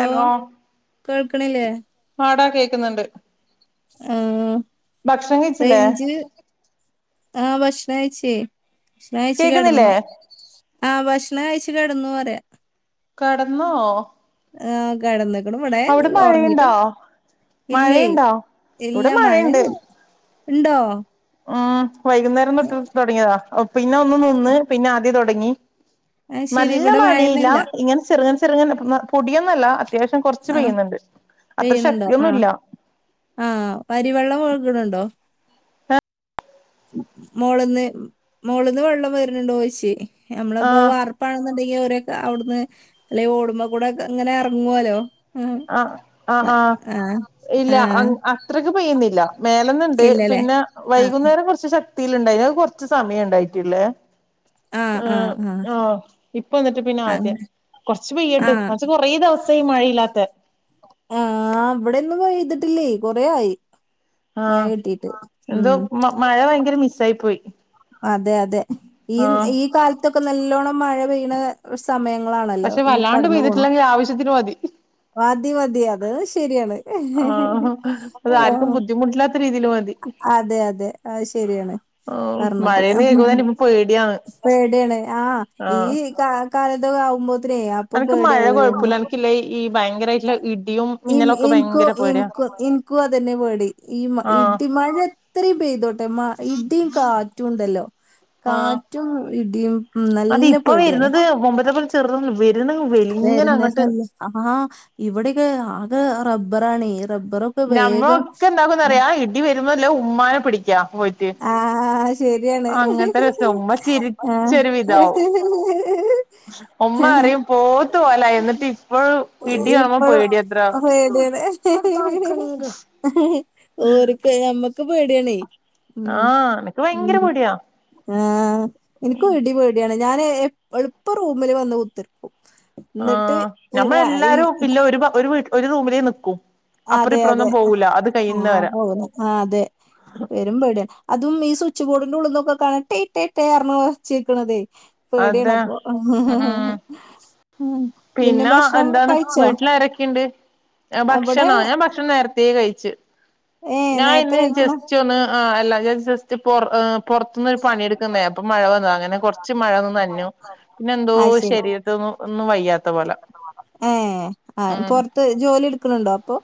Hello കേൾക്കണില്ലേ ആടാ കേക്കുന്നുണ്ട് ആ ഭക്ഷണം കഴിച്ചില്ലേ ആഹ് ഭക്ഷണഴിച്ചേ ഭക്ഷണഴിച്ച് കെ കേക്കുന്നില്ലേ ടന്നു ആഹ് ഭക്ഷണം കഴിച്ചു കെടന്നൂ പറയാ കെടന്നോ ആഹ് കെടന്ന് ഇ ഇവിടെ ഉറങ്ങിട്ട് മഴയുണ്ടോ ഇല്ലേ മഴയുണ്ടോ ഇവിടെ ഇല്ലാ മഴയും മഴയുണ്ട് ഉണ്ടോ ഉം വൈകുന്നേരം തൊട്ട് തൊ ടങ്ങിയതാ പിന്നെ ഒന്ന് നിന്ന് പിന്നെ ആദ്യ തൊടങ്ങി അത് ശരി നല്ല ഇവിടെ മഴയില്ല മഴയൊന്നുല്ല ഇങ്ങനെ ചെറുങ്ങനെ ചെ ചെറുങ്ങ പൊടിയൊന്നല്ല അത്യാവശ്യം കൊറച്ച് ആ പെയ്യുന്നുണ്ട് അത്ര ശക്തിയൊന്നുംല്ല ആഹ് പരിവെള്ളം ഒഴ്കണ്‌ണ്ടൊ മോള്ന്ന് മോള്ന്ന് വെള്ളം വെര്ണ്‌ ണ്ടോയ്ച്ചേനി ഞമ്മളിപ്പം വാർ ആഹ് വാർപ്പാണെന്നുണ്ടെങ്കി അവിട്ന്ന്അല്ലെങ്കി ഓട്മ്മ കൂടെ യൊക്കെങ്ങനെ എർങ്ങോലൊ ആഹ് ആഹ് ഇല്ല. ആ അത്രയ്ക്ക് പെയ്യുന്നില്ല.. മേല്ന്ന്ണ്ട് ഇല്ലല്ലേ പിന്നെ ആ വൈകുന്നേരം കൊറച്ച് ശക്തീല്ണ്ടായിര്ന്ന് അത് കൊറച്ച് സമയണ്ടായിട്ടുള്ളെ ആഹ് ആഹ് ആഹ് ആഹ്ആ ഇപ്പ എന്നിട്ട് പിന്നെ ആദ്യ അങ്ങനെ കൊറച്ച് പെയ്യട്ട് ആഹ് പക്ഷെ കൊറേ ദിവസായി മഴയില്ലാത്തെ ആഹ് ഇവിടൊന്നും പെയ്തിട്ടില്ലെ കൊറേആയി മഴ ആഹ് കിട്ടീട്ട് ഹ് എന്തോ മഴ ഭയങ്കര മിസ്സായി പോയി അതെ അതെ ഈ ആഹ് ഈ കാലത്തൊക്കെ നല്ലോണം മഴ പെയ്യണ സമയങ്ങളാണല്ലോ പക്ഷെ ഈ വല്ലാണ്ട് കടന്ന് പോണത് പെയ്തിട്ടില്ലെങ്കിൽ ആവശ്യത്തിന് മതി മതി മതി അത് ശരിയാണ് ആഹ് അത് ആർക്കും ബുദ്ധിമുട്ടില്ലാത്ത രീതിൽ മതി അതെയതെ അത് ശരിയാണ് ആഹ് പറഞ്ഞപ്പൊ ഹ് മഴേന്ന് കേക്കുമ്പോ ഹ് തന്നെ ഇപ്പ പേടിയാണ് പേടിയാണ് ആഹ് ഈ ആഹ് കാലത്തക്കാവുമ്പോത്തിനേ അപ്പൊ പേടിയാവോര്ന്ന് ഇല്ലഈ ഭയങ്കരായിട്ട്ള്ള ഇടിയും ൻ മിന്നലൊക്കെ ഭയങ്കര പേടിയാ ഇൻക്കും അതെന്നെ പേടി ആഹ് ഇടിമഴ മഴത്രേം പെയ്തോട്ടെ ഇടിം കാറ്റുണ്ടല്ലൊ കാറ്റും ഇടീം അതിപ്പോ വര്ന്നത് മുമ്പത്തെപ്പോലെ ചെറുതല്ല വ ആഹ് ഇവ്ടൊക്കെ ആകെ റബ്ബറാണെ റെബ്ബറും നമ്മളൊക്കെന്താക്കുന്നറിയാ ഇടി വരുമ്പൊല്ലാം മ്മാനെ പിടിക്കപോയിറ്റ് ആഹ് ശരിയാണ് ഉമ്മ ആഹ് ചിരിച്ചൊരു ആഹ് ഉമ്മപറയും പോത്ത് പോലായി ന്നി ട്ടിപ്പഴും ഇടികാണുമ്പം പേടിയാത്രേ അതെയതെയതെ ഹ് ഹ് ഓര്‌ക്ക് ഞമ്മക്ക് പേടിയാണെ ഹ് ആഹ് എനക്ക് ഭയങ്കര ഹ് പേടിയാ ആഹ് എനിക്കും ഇടി പേട്യാണ് ഞാന് എള്പ്പം റൂമില് വന്ന് കുത്തിർക്കും. എന്നിട്ട് ആഹ് ആ ഈ ഞമ്മളെല്ലാരും ഇല്ല ഒരു വ് ഒരു വീ റൂമിലേ നിക്കൂ. അപ്പറും അതെ ഇപ്പറൊന്നും അതെ. പോവൂല അത് കഴിയുന്നവരെ. പോകുന്നു. ആഹ് അതെ. പെരും പേടിയാ അതും ഈ സ്വിച്ച് ബോഡിന്റെ ഉള്ള്ന്നൊക്കേ കാണാ ട്ടെയ് ട്ടെ ട്ടെ ർഞ് ഒച്ചേയ്ക്ക്ണതെയ്. അതെ പേടിയാണപ്പൊ ഉം ഉം പിന്നെ ഭക്ഷണം കഴിച്ചോ? എന്ത് അവിടെ ഭക്ഷണോ? ഞാൻ ഭക്ഷണം നേരത്തേ കഴിച്ച്. ഏഹ് ഞാ നേരത്തെ ഇന്ന് കഴിക്കണോ? ജസ്സ്‌റ്റൊന്ന് ആഹ് എല്ലാ ഞാൻ ജസ്റ്റ് പൊറ ആ പൊറത്ത്ന്ന ഒരു പണിയെടുക്കാൻ [unintelligible] അപ്പൊ മഴ വന്നതാ അങ്ങനെ കൊർ മഴൊന്ന് നനഞ്ഞു പിന്നെ എന്തോ അത് ശരി. ശരീരത്തിനൊന്നും ന്നും വയ്യാത്ത പോലെ. ഏഹ് ആഹ് ഉം പൊർത്ത് ജോലിട്ക്ക്ണ് ണ്ടോ പ്പോ?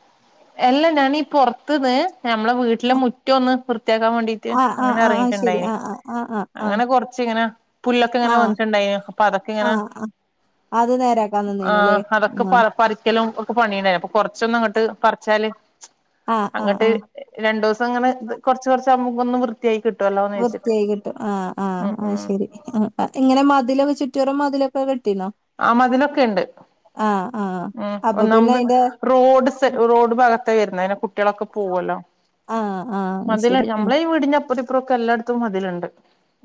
എല്ല ഞാനീ പൊറത്ത്ന്ന് ഞമ്മളെ വീട്ടിലെ മുറ്റോന്ന് വൃത്തിയാക്കാ വേണ്ടി തി ആ ആ അങ്ങനെ ആ ആ ശരി. ഇറങ്ങീട്ട്ണ്ടായിന് ആ ആ ആ ആ ആ അങ്ങനെ കൊറച്ച്ങ്ങനെ പുല്ലൊക്കെ ങ്ങനെ ആ വന്നിട്ട്ണ്ടായിന്. ആ അപ്പതൊക്കെങ്ങനെ ആ അത് നേരാക്കാ ആഹ് അതൊക്കെ പറി പറിക്കലും ഒക്കെ പണിണ്ടായ്ര്ന്ന് അപ്പൊ കൊറച്ചൊന്നങ്ങട്ട് പർ ച്ചാല് ആ ആ അങ്ങട്ട് ആ. രണ്ടൂസം ങ്ങനെ കൊറച്ച് കൊറച്ച്മ്മക്കൊന്ന് വൃ ത്തിയായി കിട്ടൊല്ലോ വൃത്തിയായി കിട്ടും ആഹ് ആഹ് ആഹ് ശരി. ഉം ആ ഇങ്ങനെ മതിലൊക്കെ ചുറ്റോറം മതിലൊക്കെ കെട്ടീണൊ? ആഹ് മതിലൊക്കെണ്ട് ഉം അപ്പൊ പിന്നെ ഒന്നാമത് അയിന്റെ റോഡ്സ് ത്ത് റോഡ് ഭാഗത്താ വര്ന്നെ അയ്നെകു കുട്ട്യാളൊക്കെ പോവല്ലോ ആ ആ മതില ശരി. ഉം. നമ്മളെ ഈ വീടിന്റെ പ്പ അപ്പുറം ഒക്കെ എല്ലാട്ത്തും മതില്ണ്ട്,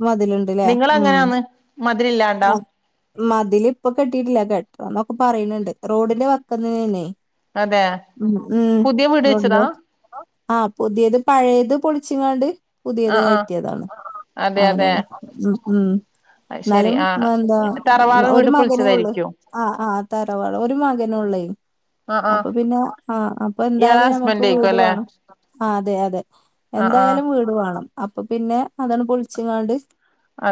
മതിലുണ്ട്ല്ലേ? നിങ്ങള് ഉം. എങ്ങനെയാന്ന് മതിലില്ലാണ്ടാ? ആ, മതില് ഇപ്പൊ കെട്ടീട്ടില്ല കെട്ടണംന്നൊക്കെ പറയുന്നുണ്ട് റോഡിന്റെ വക്കന്നേണയ്. അതെ ഉം ഉം പുതിയ വീട് വെച്ചതാ ഉണ്ടോ ആഹ് പുതിയത് പഴയത് പൊളിച്ചിങ്ങാണ്ട് പുതിയത് ആഹ് ആഹ് കയറ്റിയതാണ്. അതെ അതെ അങ്ങനെയാണ് ഉം ഉം. അത് ശരി ന്നാലും ആഹ് എന്താ തറവാട് ഒരു വീട് മകനേ ഒള്ളു പൊളിച്ചതായിരിക്കും ആ ആ തറവാ ഒരു മകനോള്ളേയ് ആഹ് അപ്പൊ ആഹ് പിന്നെ ആ അപ്പൊ ഇയാളെ എന്തായാലും നമ്മക്ക് ഹസ്ബൻഡ് ആയിക്കും വീട് അല്ലെ വേണം. ആഹ് അതെ അതെ ആഹ് ആഹ് എന്തായാലും വീട് വേണം അപ്പം പിന്നെ അതട് പൊളിച്ച്ങ്ങാണ്ട്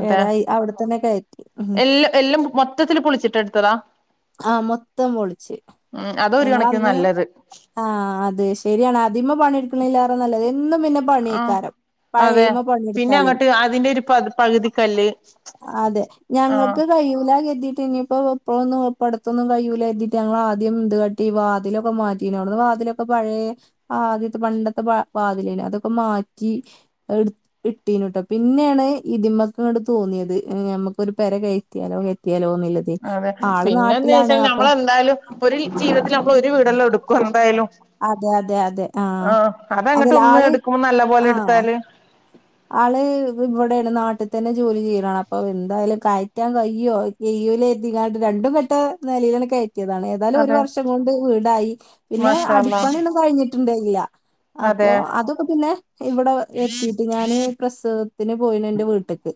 വേറെയി അവ്ടെത്തന്നെ കയറ്റി ഉം. എ എല്ലാം മൊ മൊത്തത്തില് പൊളിച്ചിട്ട് എടുത്തതാ? ആഹ് മൊത്തം പൊളിച് ഉം അത ഒരു ഞങ്ങള കണക്കിന് അന്ന് നല്ലത് ആഹ് അത് ശരിയാണ് അതിമ്മേ പണിയെടുക്കണലേറെ നല്ലത് എന്നും പിന്നെ ആഹ് പണിയ്ക്കാരം. അതെ പിന്നെ അങ്ങട്ട് അതിന്റെരു പ പകുതി കല്ല് അതെ ഞങ്ങക്ക് കയ്യൂലാ കര്തീട്ട് ഇനിപ്പോ പ്പൊളൊന്നും ഇപ്പ അടുത്തൊന്നും കഴിയൂല കര്തീട്ട് ഞങ്ങൾ ആദ്യം ഇത് കാട്ടി വാതിലൊക്കെ മാറ്റീന്നു അവിടുന്ന് വാതിലൊക്കെ പഴേ ആ ആദ്യത്തെ പണ്ടത്തെ വാ വാതിലേലു അതൊക്കെ മാറ്റി എടു കിട്ടീനട്ടോ പിന്നേണ് ഇതിമക്കങ്ങട് തോന്നിയത് ഞമ്മക്കൊരു പെര കയറ്റിയാലോ കയറ്റിയാലോ ന്ന്ള്ളത്. അതെ പിന്നേന്ത്‌ ചോയിച്ചാല് നമ്മള് എന്തായാലും ഒരു ജീവിതത്തിൽ നമ്മള് ഒരു വീട് എല്ലേ എടുക്കു എന്തായാലും. അതെ അതെ അതെ ആഹ് അതങ്ങട്ട് അതല്ല ഉമ്മ ആള് എടുക്കുമ്പോ നല്ല ആഹ് പോല്എടുത്താല് ആള് ഇവടേണ് നാട്ട്തന്നെ ജോലി ചെയ്യലാണ് അപ്പൊ എന്തായാലും കയറ്റാൻ കയ്യോ? കയ്യൂല കര്തിങ്ങാണ്ട് രണ്ടും കേട്ട നേലയിലട് കയറ്റിയതാണ്. എന്നാലും ഒരു അതെ വർഷം കൊണ്ട് വീടായി പിന്നെ മാഷാ അള്ളാ അടിപ്പണിയൊന്നും കഴിഞ്ഞിട്ടിണ്ടേന്നില്ല അപ്പോ അതെ അതൊക്കെ പിന്നെ ഇവിടെ എത്തിട്ട് ഞാന് പ്രസ സവത്തിന് പോയിനു ന്റെ വീട്ട്ക്ക്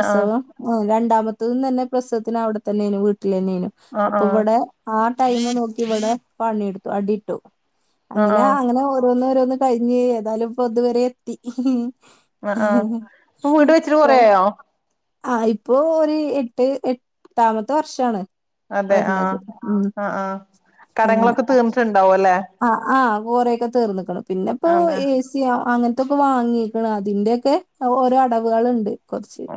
ആഹ് ആ രണ്ടാമത്തും തന്നെ പ്രസവത്തിന് അവടെത്തെന്നെനു വീട്ട്ലെന്നേനു ആഹ് ആഹ് അപ്പൊ ഇവടെ ആ ടൈമ് നോക്കി ഇവിടെ പണിട്ത്തു അടി ഇട്ടു ആഹ് അങ്ങനെ ആഹ് അങ്ങനെ ഓരോന്നോരോന്ന് കയ്ഞ്ഞ് ഏതായാലും പ്പൊ ഇതുവരെത്തി ആഹ് ഹി ആഹ് ഇപ്പൊ ഹി വീട് വെച്ചിട്ട് കൊറെയായോ ആ ഇപ്പോ ഒര് എട്ട് എട്ടാമത്തെ വർഷാണ് അതെ ആഹ് വരണത് ഉം ആഹ് ആഹ് അങ്ങനെ കടങ്ങളൊക്കെ തീർന്നിട്ടുണ്ടാവും അല്ലേ ആ ആ കോറെയൊക്കെ തീർന്ന്ക്ക്‌ണ് പിന്നെപ്പോ അതെ എ സി അങ്ങൻത്തൊക്കെ വാങ്ങി ക്ക്‌ണ് അതിന്റെയൊക്കെ ഓരോ അടവാള്ണ്ട്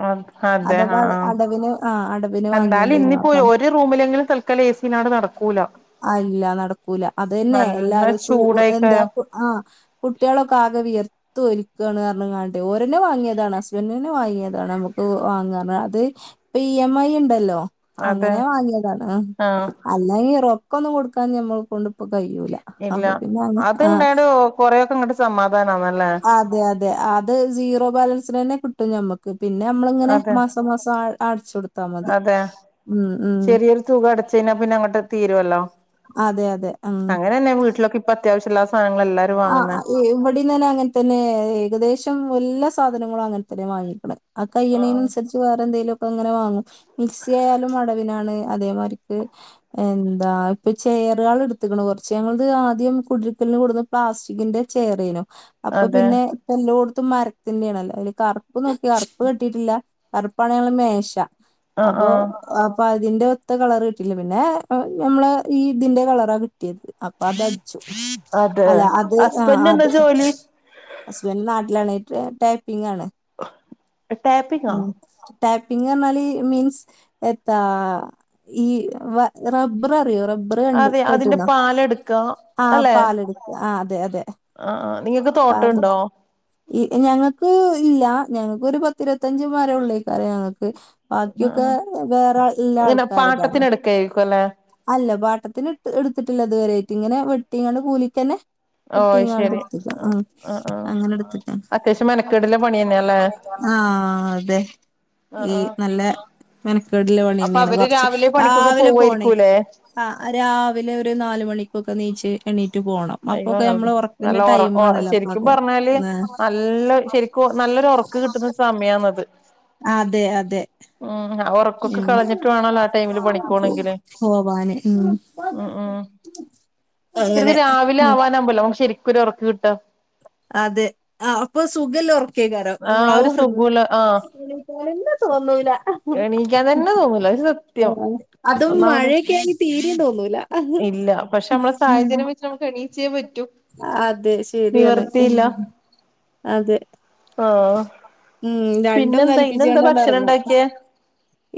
ആ അദ്ദേഹം അ അടവിന് ആ അടവിന് എന്തായാലും വാങ്ങിയതേനു ഇന്നിപ്പോ അപ്പൊ ഒരു റൂമിലെങ്കിലും തല് ക്കലെ സി ഇല്ലാതെ നടക്കൂല അല്ല നടക്കൂല അതെന്നെ നല്ല എല്ലാരും ചൂ എന്താ ചൂടായിക്കാരം ആ കുട്ട്യാളൊക്കെ ആകെ വിയർത്തൊ ക്കാണ് പർഞ്ങ്ങാണ്ട് ഓരെന്നെ വാങ്ങിയതാണ് ഹസ്ബന്റെന്നെ വാങ്ങിയതാണ് നമ്മക്ക് വാങ്ങാ അത് ഇ എം ഐ ണ്ടല്ലോ അതെ അങ്ങനെ വാങ്ങിയതാണ് അ ആഹ് അല്ലെങ്കി റൊക്കൊന്നും കൊടുക്കാൻ ഞമ്മളെക്കൊണ്ട്പ്പോ കയ്യൂല ഇല്ല അത് ണ്ടായോണ്ട് കൊറേക്കെ ഇങ്ങട്ട് സമാധാനാവും അല്ലേ അതെ അതെ അത് സീറോ ബാലൻസിനെന്നെ കിട്ടും ഞമ്മക്ക്‌ ക്ക് പിന്നെ ഞമ്മളിങ്ങനെ അതെ മാസം മാസം അടച്ചൊടുത്താ മതി അതെ ഉം ഉം ചെറിയൊരു തുക അടച്ച് കഴിഞ്ഞാ പിന്നെ അങ്ങട്ട് തീരുവല്ലോ അതെ അതെ ഉം പ്പൊ അത്യാവശ്യള്ള സാനങ്ങളെല്ലാരും ആ അത് [unintelligible] ഇവിടെ തന്നെ അങ്ങൻത്തെന്നെ ഏകദേശം എല്ലാ സാധനങ്ങളും അങ്ങൻത്തെന്നെ വാങ്ങിക്ക്‌ണത് ആ ആഹ് കയ്യിണേനനുസരിച്ച് വേറെന്തേലൊക്കെ അങ്ങനെ വാങ്ങും മിക്സി ആയാലും അടവിനാണ് അതേമാരിക്ക് എന്താ ഇപ്പൊ ചെയറാള് ഇട്ത്ത്ക്ക്‌ണ് കൊർച്ച് ഞങ്ങള്ത് ആദ്യം കുടിരിക്കലിന് കൊട്ന്ന പ്ലാസ്റ്റിക്കിന്റെ ചേയറേനു അപ്പൊ അതെ പിന്നെ എല്ലോട്ത്തും മരത്തിന്റാണല്ലോ അയ്ല് കർപ്പ്‌ നോക്കി കർപ്പ് കിട്ടിട്ടില്ല കർപ്പാണ് ഞങ്ങളെ മേശ ആഹ് അപ്പൊ ആഹ് അപ്പൊ അതിന്റെ ഒത്ത കളർ കിട്ടില്ല പിന്നെ നമ്മളെ ഈ ഇതിന്റെ കളറാ കിട്ടിയത് അപ്പൊ അതടിച്ചു അതെ അല്ല അത് ആ ഹസ്ബൻഡന് എന്താ അത് ജോലി ഹസ്ബന്റ് നാട്ടിലാണ് ടേപ്പിങ്ങാണ് അ ഉം ടാപ്പിങ്ങർഞാല് മീൻസ് എത്താ ഈ വ റബ്ബററിയോ റബ്ബ ബ്ബറ് കണ്ട് അതെ അതിന്റെ കേട്ട്ണോ പാലെടുക്ക ആഹ് അല്ലെ പാലെട്ക്ക ആ അതെ അതെ ആ ആ നിങ്ങക്ക് പാല് തോട്ടണ്ടോ ഈ ഞങ്ങക്ക് ഇല്ല ഞങ്ങക്കൊരു പത്തിരുപത്തഞ്ച് മരെള്ളേക്കാരം ഞങ്ങക്ക് ബാക്കിയൊക്കെ വേറെ ഇള്ള ഇങ്ങനെ ആൾക്കാരതാണ് പാട്ടത്തിന് എടുക്കായിരിക്കും അല്ലെ അല്ല പാട്ടത്തിന് ഇട്ത്ത് ഇട്ത്ത്ട്ടില്ല ഇത് വെരായിട്ട് ഇങ്ങനെ വെട്ടിങ്ങാണ്ട് കൂലിക്കെന്നെ ഓ വെട്ടിങ്ങാണ്ട് ശരി ഇട്ത്ത്ക്ക് ആ ആ അങ്ങനെ ഇട്ത്ത്ക്ക അത്യാവശ്യം മെനക്കേടില്ല പണി തന്നെയല്ലേ ആ അതെ ആ ഈ ആ നല്ലെ മെനക്കേട്ള്ള അപ്പൊ പണിതന്നെയാണ് അവര് കൊറച്ച്. രാവിലെ പണിക്കൊക്കെ രാവിലെ പോണേ. പോവായിരിക്കൂല്ലേ ആഹ് രാവിലെ ഒരു നാല് മണിക്കൊക്കെ ണീച്ച്. എണീറ്റ് പോണം. അയ്യോ അപ്പൊക്കെ നമ്മളെ നല്ല ഒറക്കിന്റെ ഉറ ടൈം ആണല്ലോ ശരിക്കും അപ്പളക്കെ. ആഹ്. ക്കു നല്ലൊരു ഒറക്ക് കിട്ട്ന്ന സമയന്നത്. അതെ അതെ. ഉം ആ ഒറ ക്കൊക്കെ ഉം കളഞ്ഞിട്ട് വേണല്ലോ ആ ടൈമില് പണിക്കോണെങ്കില്. പോവാന് ഉം ഉം ഉം. അങ്ങനെ ശരിക്കും രാവിലെ ഉം ആവാനാവ്മ്പല്ലെ നമ്ക്ക് ശെരിക്കൊരു ഒറക്ക് കിട്ട? അതെ. ആഹ് അപ്പൊ സുഖള്ളെ ഒറക്കേയ്ക്കാരം ആഹ് നമ്മളാ ഒരു ഒറങ്ങ്ന്ന സുഖൂല്ല ആഹ് ഒണർന്നാൻ തോന്നൂല്ല. ഉം. എണീക്കാൻ തന്നെ തോന്നൂല അത് സത്യം അതന്നെ. അതും ഒന്നാമതെ മഴയൊക്കെ ആണെ തീരെയും തോന്നൂല്ല. ഇല്ല, പക്ഷെ നമ്മളെ സാഹചര്യം വെച്ച് നമുക്ക് എണീച്ചേ പറ്റൂ. അതെ ശെ നിവർത്തിയില്ല. അതെ ആഹ്. ഉം രണ്ടും പിന്നെന്താ ഇന്നെന്താ കൽപ്പിച്ചാണ്ടാണ്ട് ഭക്ഷണം എറങ്ങും. ഉണ്ടാക്കിയേ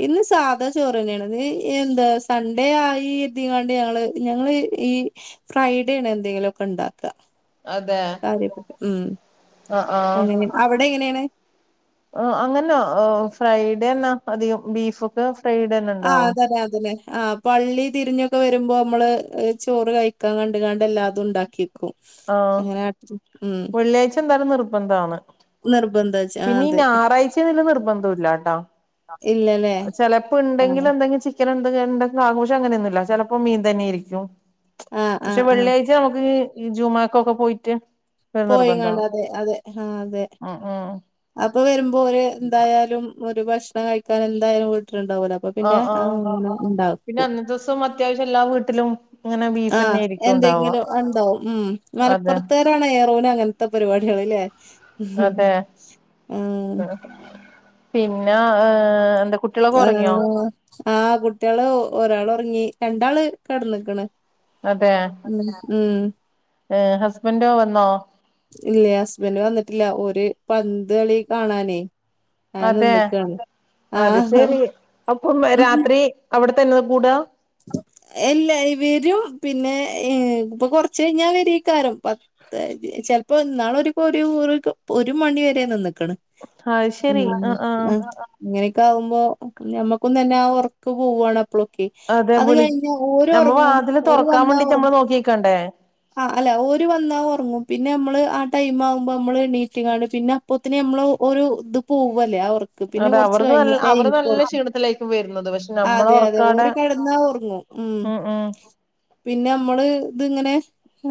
ഇന്ന് സാധാ ചോറ് തന്നെയാണ്. ഇത് എന്താ സൺഡേ ആയി ഇതിങ്ങാണ്ട് ഞങ്ങള് ഞങ്ങള് ഈ ഫ്രൈഡേ ആണ് എന്തെങ്കിലൊക്കെ ഇണ്ടാക്കാ. അതെ? കാര്യപ്പെട്ടെ. ഉം. അഹ് ആഹ്. അങ്ങനെ അവിടെ എങ്ങനെയാണ് അഹ് അങ്ങന്നെ ഈഹ് ഫ്രൈഡെന്നെ അധികം ബീഫൊക്കെ ഫ്രൈഡന്നെ ഇണ്ടാവാ. അതെ അതന്നെ. ആഹ് പള്ളി തിരിഞ്ഞൊക്കെ വരുമ്പോ നമ്മള് ചോറ് കഴിക്കാൻ കണ്ട്ങ്ങാണ്ട്ല്ലാതു ഇണ്ടാക്കി ക്കുനി. ആഹ് എങ്ങനെ കാട്ടും. ഉം. വെള്ളിയാഴ്ച എന്തായാലും നിർബന്ധാണ്. നിർബന്ധ വെച്ച് ആഹ് പിന്നെ ഈ അതെ ഞായറാഴ്ചാന്നില്ലെ നിർബന്ധുല്ലാട്ടോ. ഇല്ലലേ ചെലപ്പൊ ഇണ്ടെങ്കിലെന്തെങ്കി ചി ക്കല്ന്ത്‌ എന്തെങ്കു ആഘോഷം അങ്ങനെയൊന്നുല്ല. ചെലപ്പോ മീൻ തന്നെയായിരിക്കും. ആഹ് പക്ഷെ ആഹ് ആഹ് വെള്ളിയാഴ് ച നമ്ക്ക് ഈ ജുമാക്കൊക്കെ പോയിട്ട് ഒരു നിർബന്ധം പോയിങ്ങാണ്ട് അതെ അതെ ആഹ് അതെ. ഉം ഉം അപ്പൊ വരുമ്പോര് എന്തായാലും ഒരു ഭക്ഷണം കഴിക്കാൻ എന്തായാലും വീട്ടില്ണ്ടാവൂലോ. അപ്പൊ പിന്നെ അങ്ങനെ ഇണ്ടാക്കും. പ്പം അത്യാവശം എല്ലാ വീട്ടിലും ഇങ്ങനെ ബീഫ് ആഹ് തന്നെ ആയിരിക്കും ഉണ്ടാവുക എന്തെങ്കിലും ഇണ്ടാവും ഉം. അതെ മലപ്പുറത്തെ ത്താണ് ഏറോന അങ്ങനത്തെ പരിപാടികള്ല്ലേ? അതെ ഉം ആഹ്. പിന്നാ ഈഹ് എന്താ കുട്ടികളൊക്കെ ഒറങ്ങിയോ? ആഹ് ആഹ് കുട്ടികള് ഒരാള് ഒറങ്ങി. രണ്ടാള് കെടന്ന്ക്ക്ണ്. അതേ? ഏഹ് ഹസ്ബന്റോ വന്നോ? ഇല്ല ഹസ്ബന്റ് വന്നിട്ടില്ല. ഓര് പന്ത് കളി കാണാനേ അങ്ങനെ അതേ? നിന്ന്ക്കാണ്. അത് ആഹ് ശരി. അപ്പം രാത്രി അവിടെത്തന്നെയാ കൂടാ? എല്ല വരും. പിന്നെ ഇപ്പൊ കൊറച്ച് കയിഞ്ഞാ വരേക്കാരം. ചെലപ്പോ ഇന്നാളൊരുക്കൊരു ഒരു ഒരു മണി വരെ നിന്ന്ക്ക്‌ണ്. അത് ഉം. ശെരി ആഹ് ആഹ് അഹ്. ഇങ്ങനെയൊക്കെ ആവുമ്പോ ഞമ്മക്കും തന്നെ ആ ഒർക്ക് പോവാണ് അപ്പളൊക്കെ. അതെ അത് വിളി കഴിഞ്ഞാ നമ്മ ഓരൊറങ്ങും. വാതില് ഓര് തുറക്കാൻ വന്നാ വേണ്ടിട്ട് നമ്മള് ഒറങ്ങും. നോക്കിക്കണ്ടേ ആഹ് അല്ല ഒര് വന്നാ ഉറങ്ങും പിന്നെ നമ്മള് ആ ടൈം ആവുമ്പോ മ്മള് എണ്ണീട്ടിങ്ങാണ് പിന്നെ പ്പൊത്തിന് നമ്മള ഒരു ഇത് പോവല്ലേ അവർ അതെ അവർക്ക് നല്ല അവർ നല്ല ക്ഷീണത്തിലായിരിക്കും വരുന്നത് പക്ഷെ ആ, അതെ അതെ ഓര് നമ്മളോറക്കാടെ കിടന്നാ ഉറങ്ങും ഉം ഉം പിന്നെ നമ്മള് ഇത്ങ്ങനെ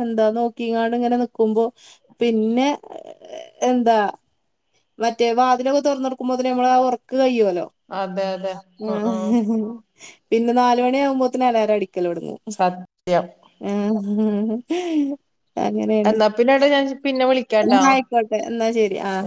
എന്താ നോക്കിങ്ങാട് ങ്ങനെ നിക്കുമ്പോ പിന്നെ എന്താ മറ്റേ വാതിലൊക്കെ തുറന്നെടുക്കുമ്പോത് ന് മ്മള് ഉറക്ക് കയ്യോല്ലോ അതെ അതെ ഉം ഉം ആഹ് പിന്നെ നാല് മണി ആഉമ്പോത് നെ അലാരം അടിക്കലൊടങ്ങു സത്യം ഏഹ് അങ്ങനെയാണ് എന്നാ പിന്നെടാ ഞാൻ പിന്നെ എന്ന വിളിക്കാട്ടാ ആയിക്കോട്ടെ എന്നാ ശരി ആഹ്